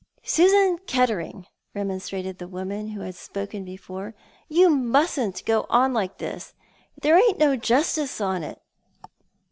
" Susan Kettering !" remonstrated the woman who had spoken before, "you mustn't go on like this. There ain't no justice in it."